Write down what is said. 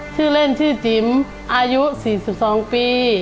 ชื่อเล่นชื่อจิ๋มอายุ๔๒ปี